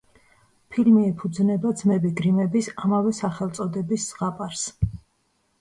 ფილმი ეფუძნება ძმები გრიმების ამავე სახელწოდების ზღაპარს.